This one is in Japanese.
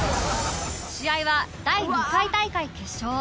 試合は第２回大会決勝